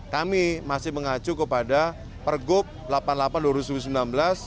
kami masih mengacu kepada pergub delapan puluh delapan dua ribu sembilan belas